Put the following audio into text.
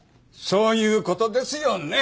そういう事ですよね。